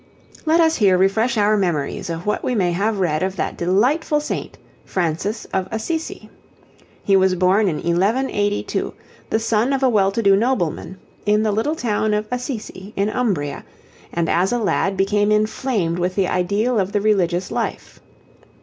Let us here refresh our memories of what we may have read of that delightful saint, Francis of Assisi. He was born in 1182, the son of a well to do nobleman, in the little town of Assisi in Umbria, and as a lad became inflamed with the ideal of the religious life.